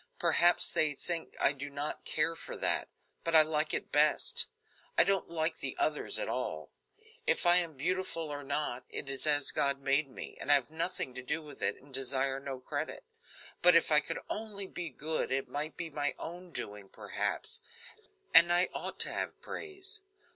Perhaps they think I do not care for that; but I like it best. I don't like the others at all. If I am beautiful or not, it is as God made me, and I have nothing to do with it, and desire no credit, but if I could only be good it might be my own doing, perhaps, and I ought to have praise.